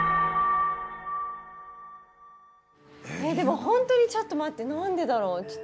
えでもホントにちょっと待ってなんでだろう？